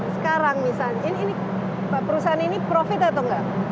sekarang misalnya perusahaan ini profit atau nggak